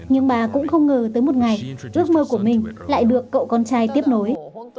nhưng bà cũng không ngờ tới một ngày ước mơ của mình lại được cậu con trai tiếp nối